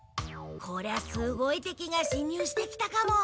こりゃすごい敵が侵入してきたかも！